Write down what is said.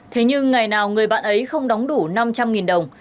thế nhưng ngày nào người bạn ấy không đóng đủ năm trăm linh đồng